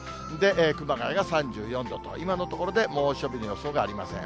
熊谷が３４度と、今のところで猛暑日の予想がありません。